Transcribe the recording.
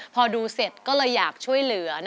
พอดูเสร็จก็เลยอยากช่วยเหลือ